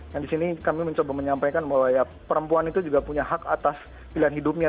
dan disini kami mencoba menyampaikan bahwa ya perempuan itu juga punya hak atas pilihan hidupnya